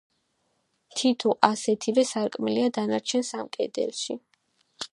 თითო ასეთივე სარკმელია დანარჩენ სამ კედელშიც.